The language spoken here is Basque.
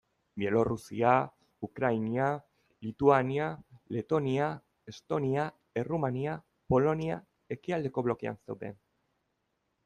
Bielorrusia, Ukraina, Lituania, Letonia, Estonia, Errumania, Polonia ekialdeko blokean zeuden.